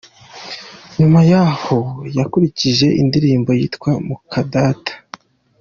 Nyuma yahoo yakurikijeho indirimbo yitwa “Mukadata”.